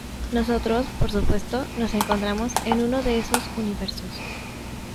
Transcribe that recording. Nosotros, por supuesto, nos encontramos en uno de esos universos.